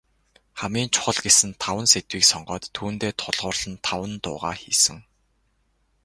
Хамгийн чухал гэсэн таван сэдвийг сонгоод, түүндээ тулгуурлан таван дуугаа хийсэн.